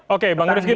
oke bang riki begini